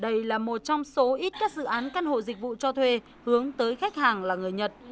đây là một trong số ít các dự án căn hộ dịch vụ cho thuê hướng tới khách hàng là người nhật